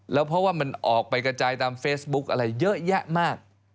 แล้วเพราะว่ามันออกไปกระจายตามเฟซบุ๊กอะไรเยอะแยะมาก